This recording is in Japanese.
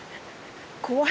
怖い。